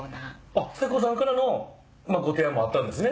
あっ咲子さんからのご提案もあったんですね。